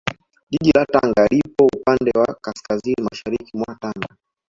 Jiji la Tanga lipo upande wa Kaskazini Mashariki mwa Tanga